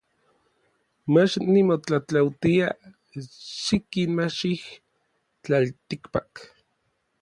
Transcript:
Mach nimotlatlautia xikinmachij n tlaltikpak.